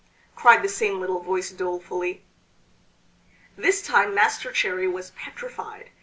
cried the same little voice dolefully. This time Master Cherry was petrified.